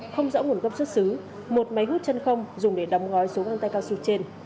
không rõ nguồn gốc xuất xứ một máy hút chân không dùng để đóng gói số găng tay cao su trên